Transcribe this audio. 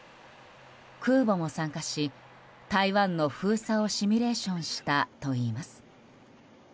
空母も参加し、台湾の封鎖をシミュレーションしたといいます。